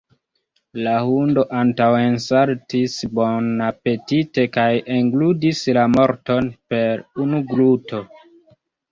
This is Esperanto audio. La hundo antaŭensaltis bonapetite kaj englutis la morton per unu gluto.